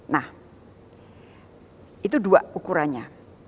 nah itu dua ukurannya